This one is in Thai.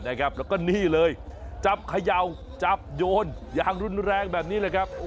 แล้วก็นี่เลยจับเขย่าจับโยนอย่างรุนแรงแบบนี้เลยครับ